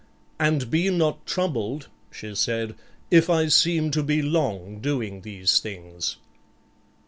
"And be not troubled," she said, "if I seem to be long doing these things."